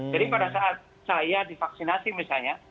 jadi pada saat saya divaksinasi misalnya